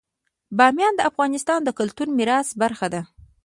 بامیان د افغانستان د کلتوري میراث برخه ده.